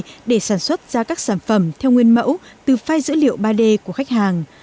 đơn vị in ba d để sản xuất ra các sản phẩm theo nguyên mẫu từ file dữ liệu ba d của khách hàng